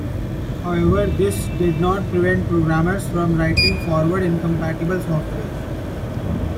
However, this did not prevent programmers from writing forward incompatible software.